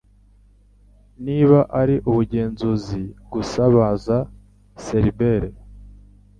Niba ari ubugenzuzi gusa baza Cerbère